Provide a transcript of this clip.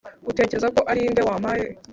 utekereza ko ari nde wampaye?